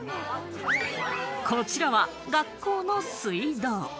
こちらは学校の水道。